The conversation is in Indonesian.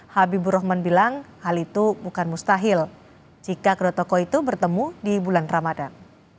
habib rohman bilang hal itu bukan mustahil jika kerotoko itu bertemu di bulan ramadan